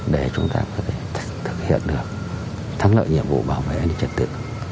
để chúng ta có thể thực hiện được thắng lợi nhiệm vụ bảo vệ trật tự